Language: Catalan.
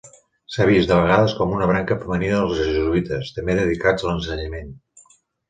S'ha vist, de vegades, com una branca femenina dels jesuïtes, també dedicats a l'ensenyament.